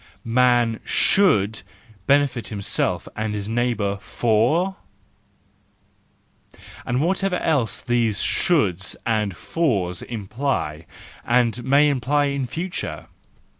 / Man should benefit himself and his neighbour, for ,../ And whatever all these shoulds and fors imply, and may imply in future!